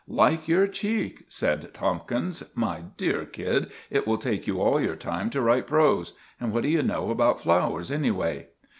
"Like your cheek," said Tomkins. "My dear kid, it will take you all your time to write prose. And what do you know about flowers, anyway?"